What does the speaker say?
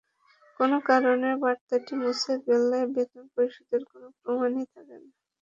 কোনো কারণে বার্তাটি মুছে গেলে বেতন পরিশোধের কোনো প্রমাণই থাকে না।